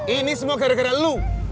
ini semua gara gara lu